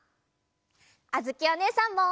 あづきおねえさんも！